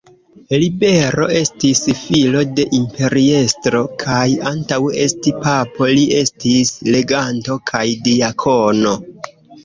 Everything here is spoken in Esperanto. Libero estis filo de imperiestro kaj antaŭ esti papo, li estis leganto kaj diakono.